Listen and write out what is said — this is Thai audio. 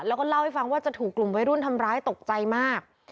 แล้วก็เล่าให้ฟังว่าจะถูกกลุ่มวัยรุ่นทำร้ายตกใจมาก